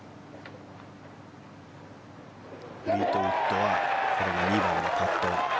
フリートウッドはこれが２番のパット。